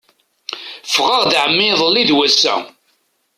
Ffɣeɣ d ɛemmi iḍelli d wass-a.